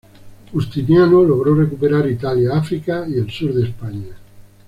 Justiniano logró recuperar Italia, África y el sur de España.